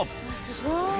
すごい。